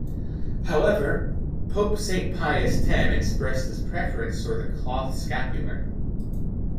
However, Pope Saint Pius X expressed his preference for the cloth scapular.